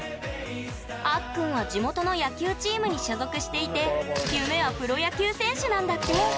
あっくんは地元の野球チームに所属していて夢はプロ野球選手なんだって！